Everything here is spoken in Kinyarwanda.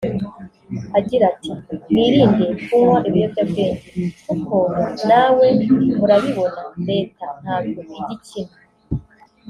Agira ati “Mwirinde [kunywa ibiyobyabwenge] kuko nawe murabibona Leta ntabwo ijya ikina